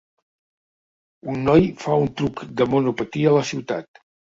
Un noi fa un truc de monopatí a la ciutat.